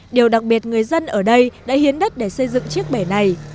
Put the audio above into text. điều đặc biệt người dân ở đây đã hiến đất để xây dựng chiếc bể này